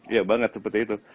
iya banget seperti itu